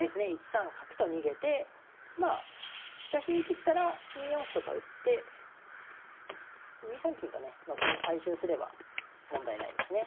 １三角と逃げてまあ飛車引いてきたら２四歩とか打って２三金とね後に回収すれば問題ないですね。